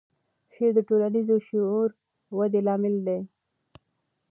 شعر د ټولنیز شعور ودې لامل دی.